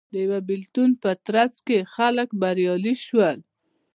د یوه بېلتون په ترڅ کې خلک بریالي شول